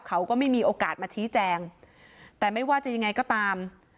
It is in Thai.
เขาก็ไม่มีโอกาสมาชี้แจงแต่ไม่ว่าจะยังไงก็ตาม